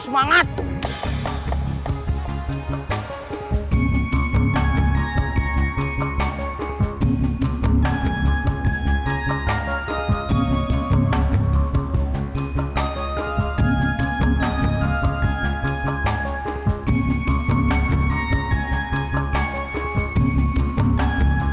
semarang semarang semarang